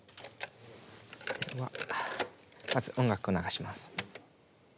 まず音楽を流します。